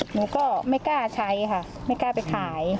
หนูก็ไม่กล้าใช้ค่ะไม่กล้าไปขาย